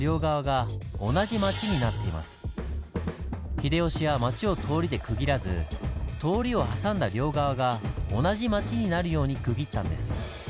秀吉は町を通りで区切らず通りを挟んだ両側が同じ町になるように区切ったんです。